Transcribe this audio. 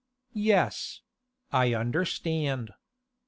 'Yes; I understand.